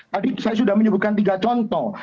tadi saya sudah menyebutkan tiga contoh